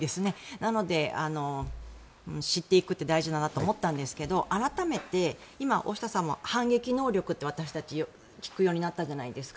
なので、知っていくって大事だなと思ったんですが改めて今、大下さんも反撃能力って私たち、聞くようになったじゃないですか。